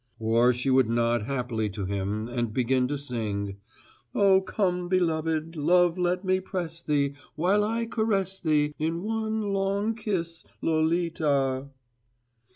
Or, she would nod happily to him and begin to sing: "Oh come beloved, love let me press thee, While I caress thee In one long kiss, Lolita.